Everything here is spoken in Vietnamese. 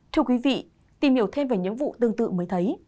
thưa quý vị tìm hiểu thêm về những vụ tương tự mới thấy